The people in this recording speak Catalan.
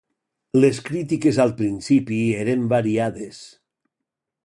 Les crítiques al principi eren variades.